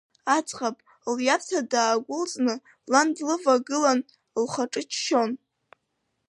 Аӡӷаб, лиарҭа даагәылҵны, лан длывагылан, лхаҿы ччон.